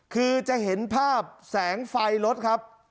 คือจะเห็นภาพแสงไฟรถครับ